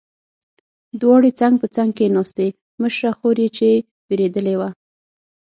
دواړې څنګ په څنګ کېناستې، مشره خور یې چې وېرېدلې وه.